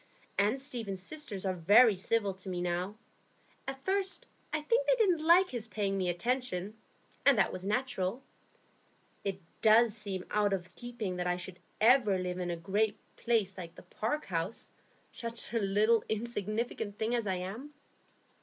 And Stephen's sisters are very civil to me now. At first, I think they didn't like his paying me attention; and that was natural. It does seem out of keeping that I should ever live in a great place like the Park House, such a little insignificant thing as I am."